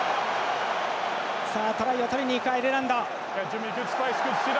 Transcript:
トライを取りにいくアイルランド。